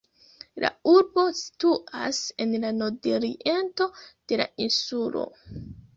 La urbo situas en la nordoriento de la insulo.